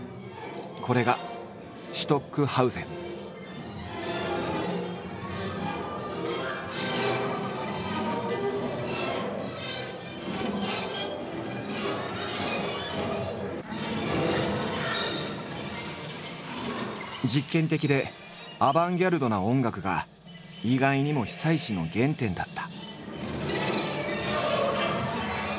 これが実験的でアバンギャルドな音楽が意外にも久石の原点だった。